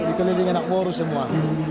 dikelilingi anak boru semua